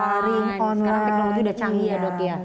sekarang teknologi udah canggih ya dok ya